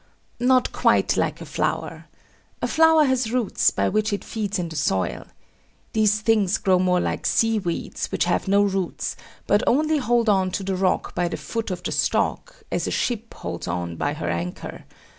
Not quite like a flower. A flower has roots, by which it feeds in the soil. These things grow more like sea weeds, which have no roots, but only hold on to the rock by the foot of the stalk, as a ship holds on by her anchor.